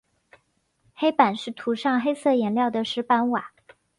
黑板是涂上黑色颜料的石板瓦。